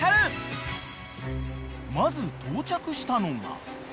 ［まず到着したのが］